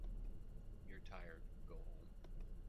You’re tired, go home.